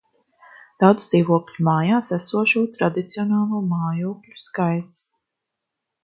Daudzdzīvokļu mājās esošo tradicionālo mājokļu skaits